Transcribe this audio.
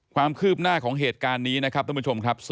ความคืบหน้าของเหตุการณ์นี้นะครับท่านผู้ชมครับ